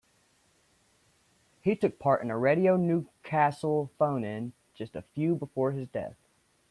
He took part in a Radio Newcastle phone-in just a few before his death.